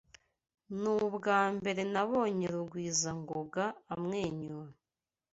Nubwambere Nabonye Rugwizangoga amwenyura.